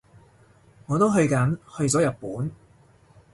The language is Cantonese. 我都去緊，去咗日本